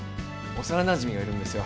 幼なじみがいるんですよ。